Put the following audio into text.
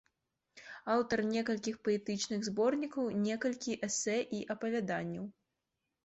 Аўтар некалькіх паэтычных зборнікаў, некалькіх эсэ і апавяданняў.